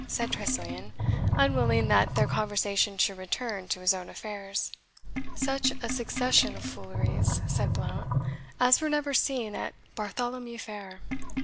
said Tressilian, unwilling that their conversation should return to his own affairs. "Such a succession of fooleries," said Blount, "as were never seen at Bartholomew fair.